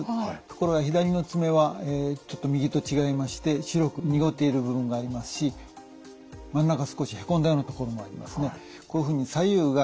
ところが左の爪はちょっと右と違いまして白く濁っている部分がありますし真ん中少しへこんだようなところもありますね。